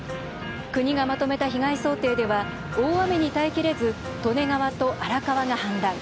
国がまとめた被害想定では大雨に耐えきれず利根川と荒川が氾濫。